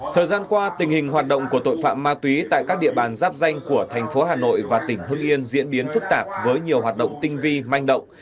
thời gian qua tình hình hoạt động của tội phạm ma túy tại các địa bàn giáp danh của thành phố hà nội và tỉnh hưng yên diễn biến phức tạp với nhiều hoạt động tinh vi manh động